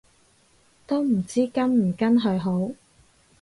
都唔知跟唔跟去好